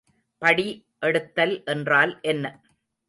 படி எடுத்தல் என்றால் என்ன?